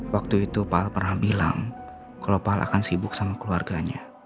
waktu itu pak al pernah bilang kalo pak al akan sibuk sama keluarganya